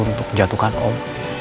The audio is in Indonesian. untuk jatuhkan om